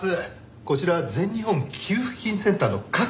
こちら全日本給付金センターの角田と申しますが。